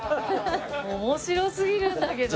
面白すぎるんだけど。